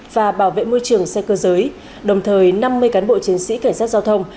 và bảo vệ môi trường xe cơ giới đồng thời năm mươi cán bộ chiến sĩ cảnh sát giao thông